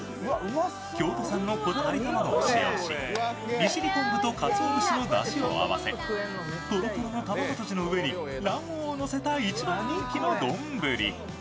京都産のこだわり卵を使用し利尻昆布とかつお節のだしを合わせ、とろとろの卵とじの上に卵黄をのせた一番人気の丼。